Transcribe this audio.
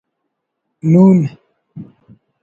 نون